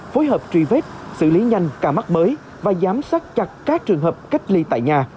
phối hợp truy vết xử lý nhanh ca mắc mới và giám sát chặt các trường hợp cách ly tại nhà